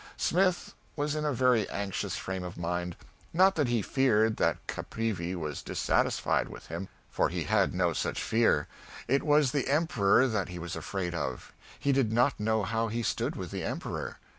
Smith was in a very anxious frame of mind; not that he feared that Caprivi was dissatisfied with him, for he had no such fear; it was the Emperor that he was afraid of; he did not know how he stood with the Emperor.